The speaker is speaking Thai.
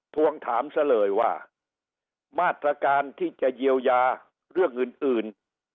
ทวงถามซะเลยว่ามาตรการที่จะเยียวยาเรื่องอื่น